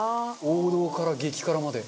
王道から激辛まで。